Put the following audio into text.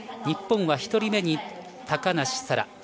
日本は１人目に高梨沙羅